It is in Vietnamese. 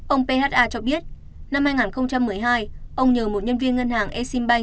ông pha cho biết năm hai nghìn một mươi hai ông nhờ một nhân viên ngân hàng exim bank